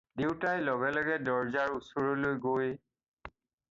দেউতাই লগে লগে দৰজাৰ ওচৰলৈ গৈ।